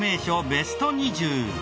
ベスト２０。